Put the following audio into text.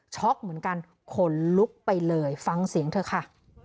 เหมือนกันขนลุกไปเลยฟังเสียงเธอค่ะ